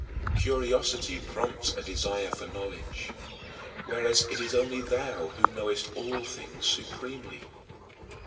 Curiosity prompts a desire for knowledge, whereas it is only thou who knowest all things supremely.